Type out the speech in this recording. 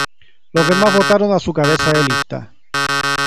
Los demás votaron a su cabeza de lista.